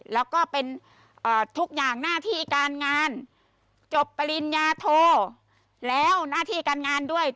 แล้วก็เป็นทุกอย่างหน้าที่การงานจบปริญญาโทแล้วหน้าที่การงานด้วย